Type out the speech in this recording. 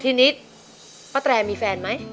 ทีนี้ป้าแตรมีแฟนไหม